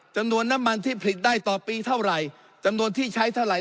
จำนวนน้ำมันที่ผลิตได้ต่อปีเท่าไหร่จำนวนที่ใช้เท่าไหร